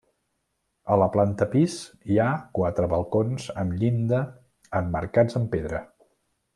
A la planta pis hi ha quatre balcons amb llinda emmarcats amb pedra.